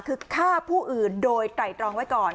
คือฆ่าผู้อื่นโดยไตรตรองไว้ก่อน